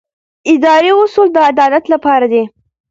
اداري اصول د عدالت لپاره دي.